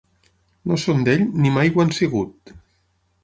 No són d'ell ni mai ho han sigut.